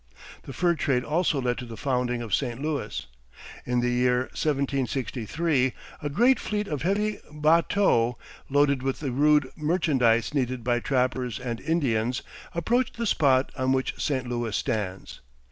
The fur trade also led to the founding of St. Louis. In the year 1763 a great fleet of heavy batteaux, loaded with the rude merchandise needed by trappers and Indians, approached the spot on which St. Louis stands.